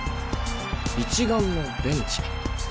一丸のベンチ。